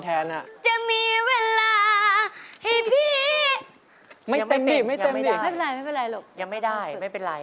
ยังไม่ได้ไม่เป็นไร